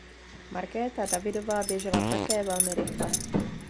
Markéta Davidová běžela také velmi rychle.